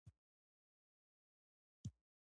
و مې ویل خدای مه کړه څه ناروغي پېښه شوې.